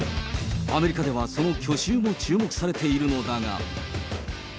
アメリカではその去就も注目されているのだが。